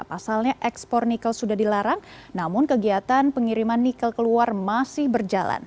pasalnya ekspor nikel sudah dilarang namun kegiatan pengiriman nikel keluar masih berjalan